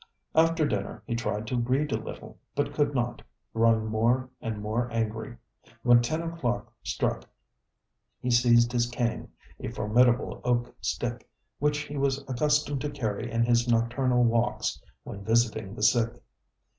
After dinner he tried to read a little, but could not, growing more and, more angry. When ten o'clock struck he seized his cane, a formidable oak stick, which he was accustomed to carry in his nocturnal walks when visiting the sick.